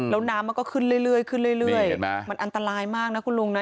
แล้วน้ำมันก็ขึ้นเรื่อยขึ้นเรื่อยมันอันตรายมากนะคุณลุงนะ